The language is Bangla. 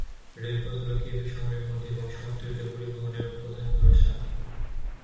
রেলপথ হল কিয়েভের শহরের মধ্যে এবং শহরতলিতে পরিবহনের প্রধান ভরসা।